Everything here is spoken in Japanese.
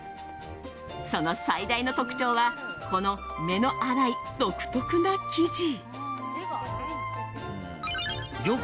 その最大の特徴はこの目の粗い独特な生地。